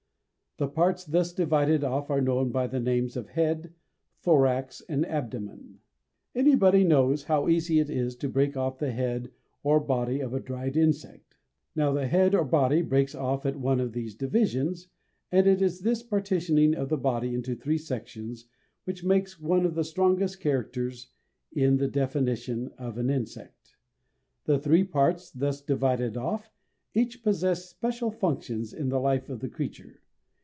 The parts thus divided off are known by the names of head, thorax, and abdomen. Anybody knows how easy it is to break off the head or body of a dried insect. Now the head or body breaks off at one of these divisions, and it is this partitioning of the body into three sections which makes one of the strongest characters in the definition of an insect. The three parts, thus divided off, each possesses special functions in the life of the creature.